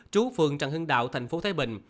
trú phường trần hưng đạo tp thái bình